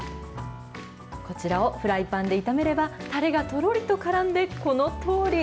こちらをフライパンで炒めれば、タレがとろりとからんでこのとおり。